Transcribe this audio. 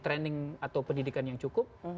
training atau pendidikan yang cukup